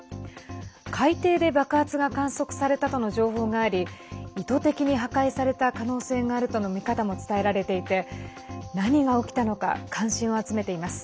海底で爆発が観測されたとの情報があり意図的に破壊された可能性があるとの見方も伝えられていて何が起きたのか関心を集めています。